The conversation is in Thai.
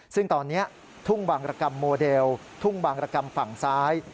ซึ่งตอนนี้ทุ่งบางรกรรมโมเดลทุ่งบางรกรรมฝั่งซ้าย